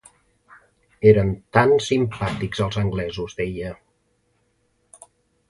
Eren tan simpàtics, els anglesos, deia!